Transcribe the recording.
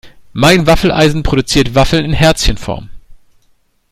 Mein Waffeleisen produziert Waffeln in Herzchenform.